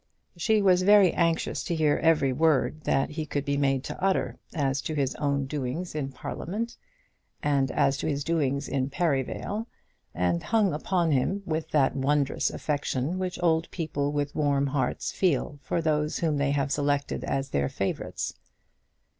She was very anxious to hear every word that he could be made to utter as to his own doings in Parliament, and as to his doings in Perivale, and hung upon him with that wondrous affection which old people with warm hearts feel for those whom they have selected as their favourites.